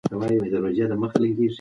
د حیواني محصولاتو واردات باید کم شي.